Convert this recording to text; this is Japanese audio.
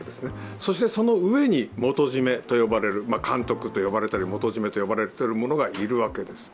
そしてその上に元締めと呼ばれる監督と呼ばれたり元締めと呼ばれるものがいるわけです。